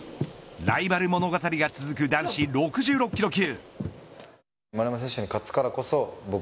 ライバル物語が続く男子６６キロ級。